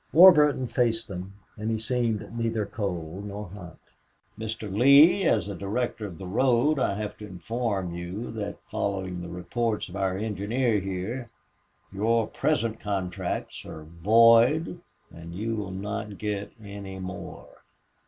Warburton faced them and he seemed neither cold nor hot. "Mr. Lee, as a director of the road I have to inform you that, following the reports of our engineer here, your present contracts are void and you will not get any more."